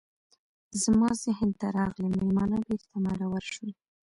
زما ذهن ته راغلي میلمانه بیرته مرور شول.